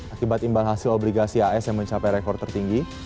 akibat imbal hasil obligasi as yang mencapai rekor tertinggi